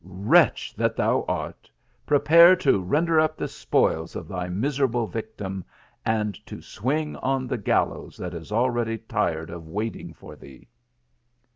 Wretch that thou art ! prepare to render up the spoils of thy miserable victim, and to swing on the gallcws that is already tired of waiting for thee."